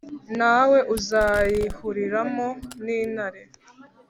Nta we uzayihuriramo n’intare,